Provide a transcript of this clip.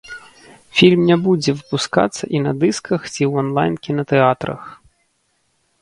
Фільм не будзе выпускацца і на дысках ці ў анлайн-кінатэатрах.